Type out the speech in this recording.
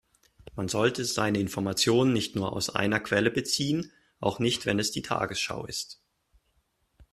Man sollte seine Informationen nicht nur aus einer Quelle beziehen, auch nicht wenn es die Tagesschau ist.